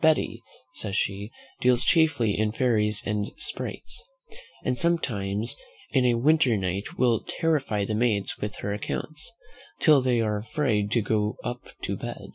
"Betty," says she, "deals chiefly in fairies and sprites, and sometimes in a winter night will terrify the maids with her accounts, till they are afraid to go up to bed."